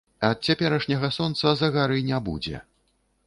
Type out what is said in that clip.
Ад цяперашняга сонца загары не будзе.